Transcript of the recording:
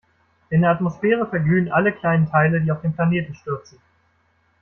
In der Atmosphäre verglühen alle kleinen Teile, die auf den Planeten stürzen.